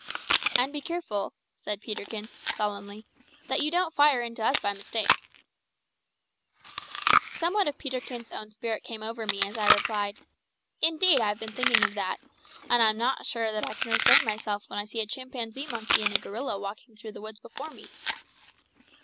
"And be careful," said Peterkin, solemnly, "that you don't fire into us by mistake." Somewhat of Peterkin's own spirit came over me as I replied, "Indeed, I have been thinking of that, and I'm not sure that I can restrain myself when I see a chimpanzee monkey and a gorilla walking through the woods before me."